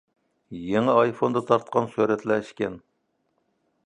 يېڭى ئايفوندا تارتقان سۈرەتلەر ئىكەن.